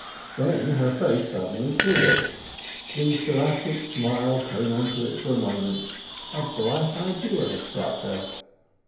Then her face suddenly cleared; the seraphic smile came into it for a moment—a bright idea had struck her.